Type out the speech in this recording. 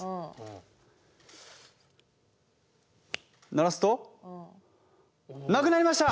鳴らすとなくなりました！